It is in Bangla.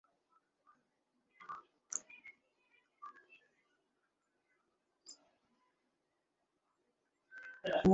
মধুসূদনের একান্ত জেদ নুরনগরে।